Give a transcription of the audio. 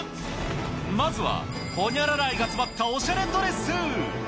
まずはほにゃらら愛が詰まったおしゃれドレス。